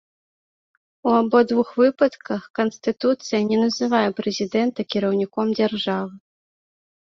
У абодвух выпадках канстытуцыя не называе прэзідэнта кіраўніком дзяржавы.